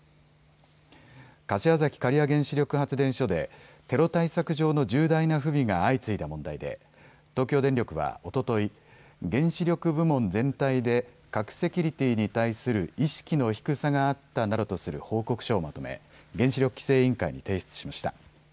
柏崎刈羽原子力発電所でテロ対策上の重大な不備が相次いだ問題で東京電力はおととい、原子力部門全体で核セキュリティーに対する意識の低さがあったなどとする報告書をまとめ原子力規制委員会に提出しました。